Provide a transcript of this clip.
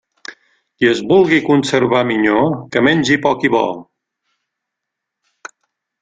Qui es vulgui conservar minyó, que mengi poc i bo.